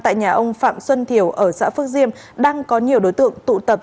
tại nhà ông phạm xuân thiểu ở xã phước diêm đang có nhiều đối tượng tụ tập